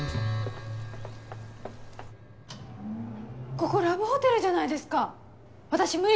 ここラブホテルじゃないですか私無理です！